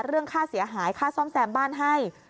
เรื่องค่าเสียหายค่าซ่อมแซมบ้านให้